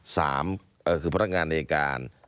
สามคือพนักงานในการ